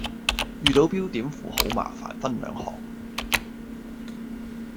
遇到標點符號麻煩分兩行